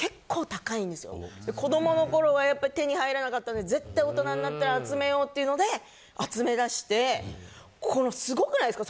子どもの頃はやっぱり手に入らなかったんで絶対大人になったら集めようっていうので集めだしてこの凄くないですか？